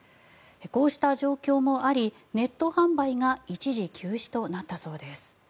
こうした状況もありネット販売が一時休止となったそうです。